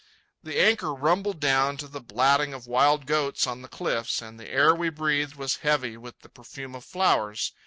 The anchor rumbled down to the blatting of wild goats on the cliffs, and the air we breathed was heavy with the perfume of flowers.